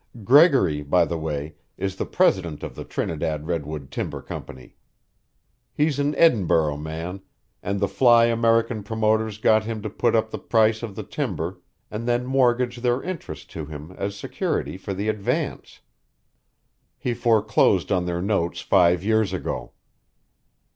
Gregory, by the way, is the president of the Trinidad Redwood Timber Company. He's an Edinburgh man, and the fly American promoters got him to put up the price of the timber and then mortgaged their interests to him as security for the advance. He foreclosed on their notes five years ago."